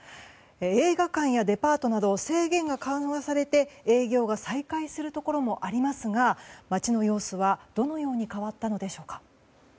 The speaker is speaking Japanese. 映画館やデパートなど制限が緩和されて営業が再開するところもありますが街の様子はどのように変わったのでしょうか？